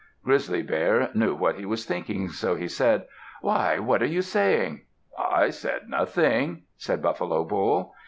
Grizzly Bear knew what he was thinking, so he said, "Why! what are you saying?" "I said nothing," said Buffalo Bull.